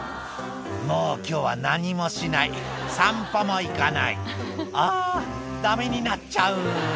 「もう今日は何もしない」「散歩も行かない」「あぁダメになっちゃう」